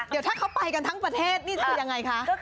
เดี๋ยวถ้าเข้าไปค์กันท่างประเทศก็คือยังไงค่ะ